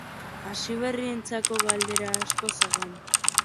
Hasiberrientzako galdera asko zegoen.